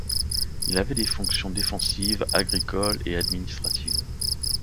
Il avait des fonctions défensives, agricoles et administratives.